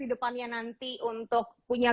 di depannya nanti untuk punya